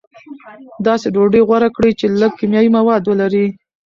داسې ډوډۍ غوره کړئ چې لږ کیمیاوي مواد ولري.